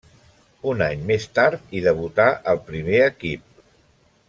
Un any més tard hi debutà al primer equip.